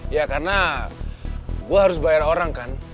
ya karena gue harus bayar orang kan